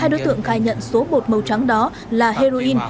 hai đối tượng khai nhận số bột màu trắng đó là heroin